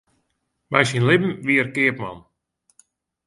By syn libben wie er keapman.